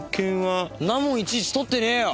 んなもんいちいち取ってねえよ！